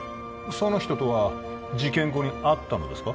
その人とは事件後に会ったのですか？